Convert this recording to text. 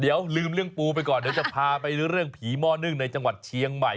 เดี๋ยวลืมเรื่องปูไปก่อนเดี๋ยวจะพาไปเรื่องผีหม้อนึ่งในจังหวัดเชียงใหม่